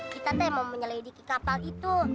kita teh mau menyelidiki kapal itu